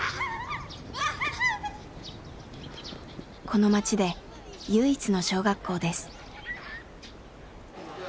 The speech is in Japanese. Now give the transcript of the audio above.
この町で唯一の小学校です。